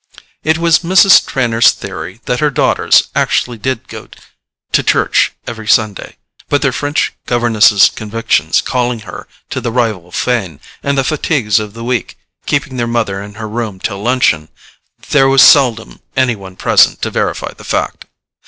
It was Mrs. Trenor's theory that her daughters actually did go to church every Sunday; but their French governess's convictions calling her to the rival fane, and the fatigues of the week keeping their mother in her room till luncheon, there was seldom any one present to verify the fact.